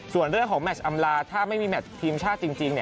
ส่วนเรื่องของแมชอำลาถ้าไม่มีแมททีมชาติจริง